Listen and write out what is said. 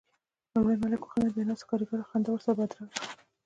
لومړی ملک وخندل، بيا ناستو کاريګرو خندا ورسره بدرګه کړه.